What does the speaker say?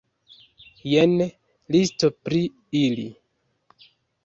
Jen listo pri ili.